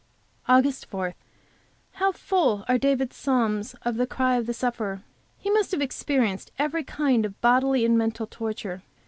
AUGUST 4. How full are David's Psalms of the cry of the sufferer! He must have experienced every kind of bodily and mental torture.